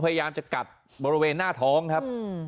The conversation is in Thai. มีภาพจากกล้อมรอบหมาของเพื่อนบ้าน